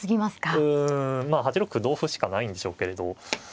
うんまあ８六歩同歩しかないんでしょうけれど。